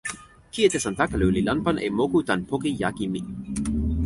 kijetesantakalu li lanpan e moku tan poki jaki mi.